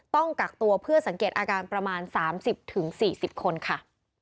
ต้องกักตัวเพื่อสังเกตอาการประมาณ๓๐๔๐คนค่ะ